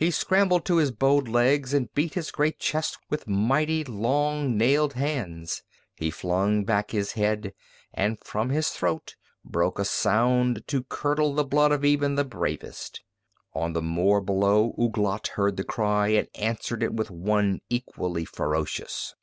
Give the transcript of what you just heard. He scrambled to his bowed legs and beat his great chest with mighty, long nailed hands. He flung back his head and from his throat broke a sound to curdle the blood of even the bravest. On the moor below Ouglat heard the cry and answered it with one equally ferocious.